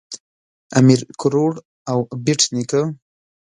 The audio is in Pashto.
امیر کروړ او بېټ نیکه